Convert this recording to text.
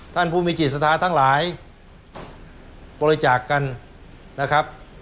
ท่านผู้มีจิตศรัทธาทั้งหลายบริจาคกันนะครับ